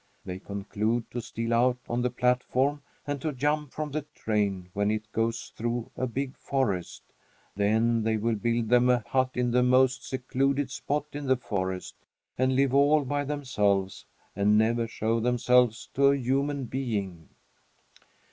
They conclude to steal out on the platform and to jump from the train when it goes through a big forest. Then they will build them a hut in the most secluded spot in the forest, and live all by themselves and never show themselves to a human being.